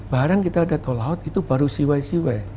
barang kita ada tol laut itu baru siwai siwai